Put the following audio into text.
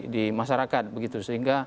di masyarakat begitu sehingga